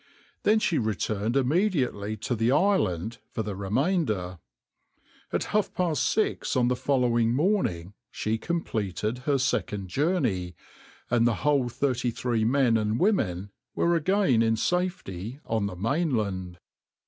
Then she returned immediately to the island for the remainder. At half past six on the following morning she completed her second journey, and the whole thirty three men and women were again in safety on the mainland.